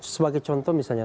sebagai contoh misalnya